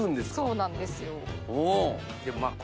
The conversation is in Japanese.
そうなんですよ。で巻く。